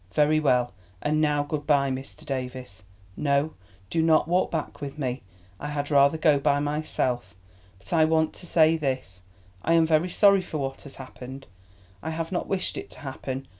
"Very well. And now, Mr. Davies, good bye. No, do not walk back with me. I had rather go by myself. But I want to say this: I am very sorry for what has happened. I have not wished it to happen.